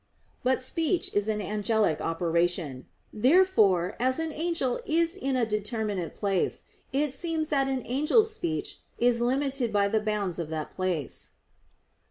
But speech is an angelic operation. Therefore, as an angel is in a determinate place, it seems that an angel's speech is limited by the bounds of that place.